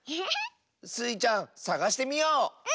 スイちゃんさがしてみよう！